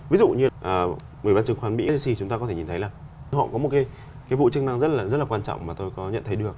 ví dụ như ủy ban trường khoán mỹ ssc chúng ta có thể nhìn thấy là họ có một cái vụ chức năng rất là quan trọng mà tôi có nhận thấy được